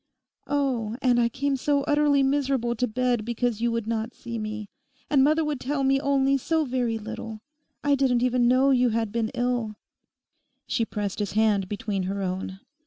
'Oh, and I came so utterly miserable to bed because you would not see me. And Mother would tell me only so very little. I didn't even know you had been ill.' She pressed his hand between her own.